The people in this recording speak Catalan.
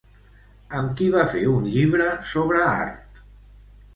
Amb qui va fer un llibre sobre art?